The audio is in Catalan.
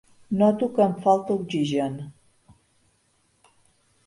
Noto que em falta oxigen.